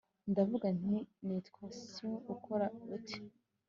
ndavuga nti nitwa sue. ukora ute